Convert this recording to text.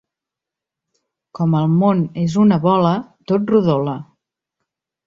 Com el món és una bola, tot rodola.